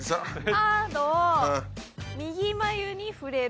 「カードを右眉に触れる」。